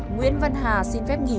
nguyễn văn hà xin phép nghỉ